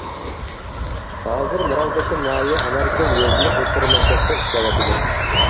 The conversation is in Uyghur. ھازىر مارالبېشى ناھىيە ئاناركۆل يېزىلىق ئوتتۇرا مەكتەپتە ئىشلەۋاتىدۇ.